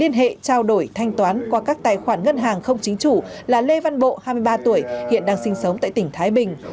thành toán qua các tài khoản ngân hàng không chính chủ là lê văn bộ hai mươi ba tuổi hiện đang sinh sống tại tỉnh thái bình